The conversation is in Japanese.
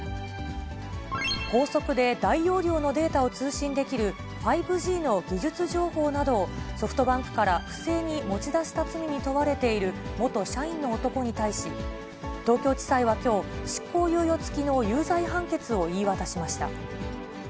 高速で大容量のデータを通信できる５Ｇの技術情報などをソフトバンクから不正に持ち出した罪に問われている、元社員の男に対し、東京地裁はきょう、執行猶予付きの有罪判決を言い渡しました。